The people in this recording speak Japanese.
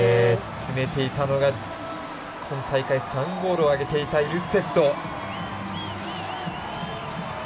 詰めていたのが今大会、３ゴールを挙げていたイルステッド。